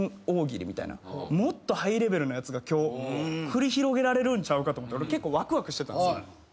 大喜利みたいなもっとハイレベルなやつが今日繰り広げられるんちゃうかと俺結構ワクワクしてたんですよ。